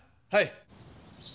はい！